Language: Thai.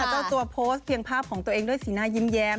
เจ้าตัวโพสต์เพียงภาพของตัวเองด้วยสีหน้ายิ้มแย้ม